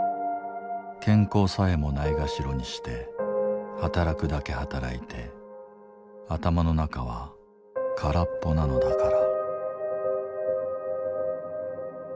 健康さえもないがしろにして働くだけ働いて頭の中は空っぽなのだから」。